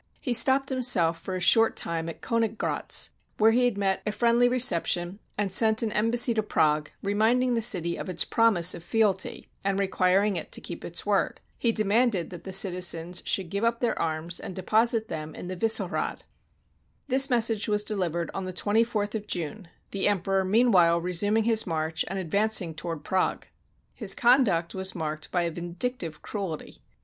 He stopped himself for a short time at Koniggratz, where he had met a friendly reception, and sent an embassy to Prague, re minding the city of its promise of fealty, and requiring it to keep its word. He demanded that the citizens should give up their arms, and deposit them in the Vissehrad. This message was delivered on the 24th of June, the Emperor meanwhile resuming his march, and advancing toward Prague. His conduct was marked by a vindic tive cruelty.